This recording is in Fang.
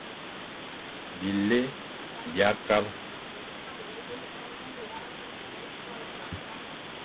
Bilé bia kabe.